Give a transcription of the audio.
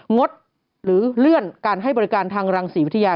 งดหรือเลื่อนการให้บริการทางรังศรีวิทยา